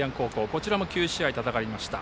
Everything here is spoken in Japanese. こちらも９試合戦いました。